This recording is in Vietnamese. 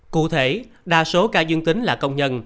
cụ thể đa số ca dương tính là công nhân